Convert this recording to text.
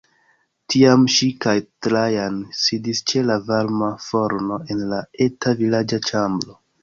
Tiam ŝi kaj Trajan sidis ĉe la varma forno en la eta vilaĝa ĉambro.